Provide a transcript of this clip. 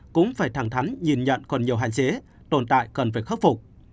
cũng phải thẳng thắn nhìn nhận còn nhiều hạn chế tồn tại cần phải khắc phục